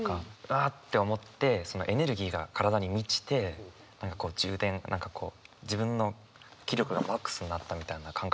「あっ！」って思ってそのエネルギーが体に満ちて何かこう充電自分の気力がマックスになったみたいな感覚にもとれるっていうか自分は。